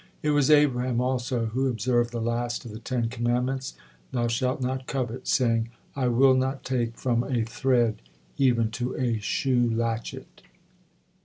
It was Abraham, also, who observed the last of the Ten Commandments 'Thou shalt not covet,' saying: 'I will not take from a thread even to a shoe latchet.'"